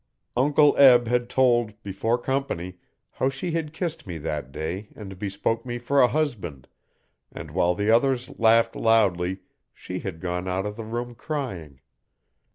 Uncle Be had told, before company, how she had kissed me that day and bespoke me for a husband, and while the others laughed loudly she had gone out of the room crying.